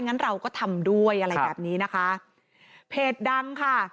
งั้นเราก็ทำด้วยอะไรแบบนี้นะคะเพจดังค่ะ